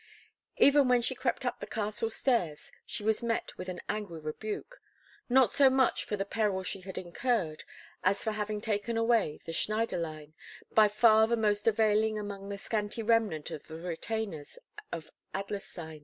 Even when she crept up the castle stairs, she was met with an angry rebuke, not so much for the peril she had incurred as for having taken away the Schneiderlein, by far the most availing among the scanty remnant of the retainers of Adlerstein.